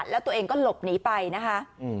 แล้วตัวเองก็หลบหนีไปนะคะ